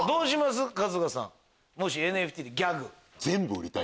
ＮＦＴでギャグ。